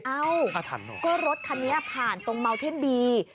เอ้าก็รถคันนี้ผ่านตรงเมาเท่นบี